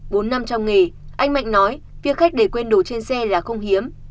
bốn năm trong nghề anh mạnh nói việc khách để quên đồ trên xe là không hiếm